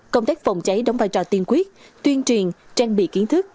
công tác phòng cháy đóng vai trò tiên quyết tuyên truyền trang bị kiến thức